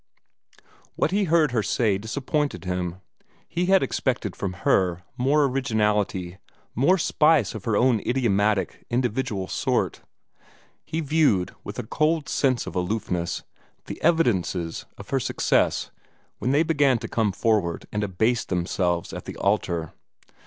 What he heard her say disappointed him. He had expected from her more originality, more spice of her own idiomatic, individual sort. He viewed with a cold sense of aloofness the evidences of her success when they began to come forward and abase themselves at the altar.